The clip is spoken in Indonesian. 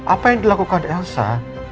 apa yang dilakukan elsa